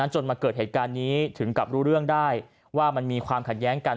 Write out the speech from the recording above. จนมาเกิดเหตุการณ์นี้ถึงกับรู้เรื่องได้ว่ามันมีความขัดแย้งกัน